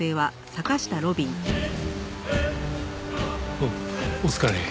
おうお疲れ。